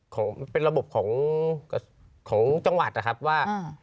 ของเป็นระบบของจังหวัดนะครับว่า